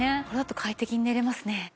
これだと快適に寝られますね。